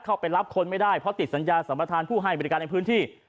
เข้าไปรับคนไม่ได้เพราะติดสัญญาสัมประธานผู้ให้บริการในพื้นที่